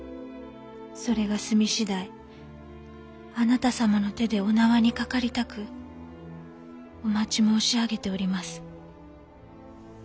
それが済み次第あなた様の手でお縄にかかりたくお待ち申し上げております」。